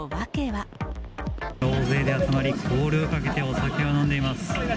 大勢で集まり、コールをかけてお酒を飲んでいます。